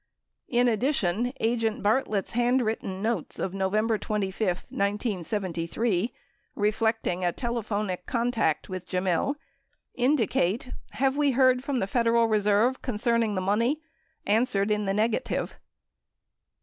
2 3 4 In addition, agent Bart lett's handwritten notes of November 25, 1973 reflecting a telephonic contact with Gemmill indicate "have we heard from the Federal Reserve concerning the money — answered in the negative."